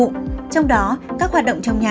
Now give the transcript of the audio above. trong đó các hoạt động trong nhà